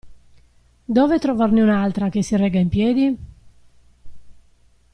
Dove trovarne un'altra, che si regga in piedi?